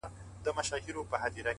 توره مي تر خپلو گوتو وزي خو!!